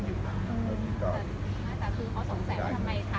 วันนี้โรงแรมที่เป็นของประเทศไทย